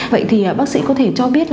vậy thì bác sĩ có thể cho biết